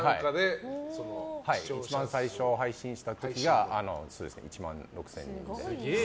一番最初に配信した時が１万６０００人で。